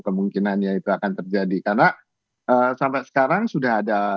kemungkinannya itu akan terjadi karena sampai sekarang sudah ada